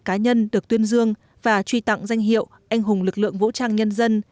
hai mươi hai cá nhân được tuyên dương và truy tặng danh hiệu anh hùng lực lượng vũ trang nhân dân